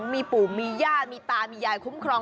มีปู่มีย่ามีตามียายคุ้มครอง